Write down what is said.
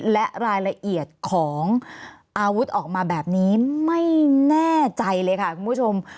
และรายละเอียดของอาวุธออกมาแบบนี้ไม่แน่ใจเลยค่ะคุณผู้ชม